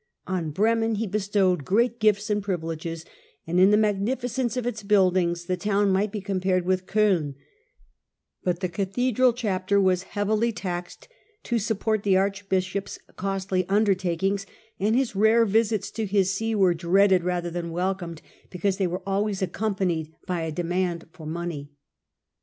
On Bremen he be stowed great gifts and privileges, and in the magnifi cence of its buildings the city might be compared with Coin, but the cathedral chapter was heavily taxed to support the archbishop's costly undertakings, and his rare visits to his see were dreaded rather than welcomed, Digitized by VjOOQIC 70 HiLDBBRAND because they were always accompanied by a demand for money.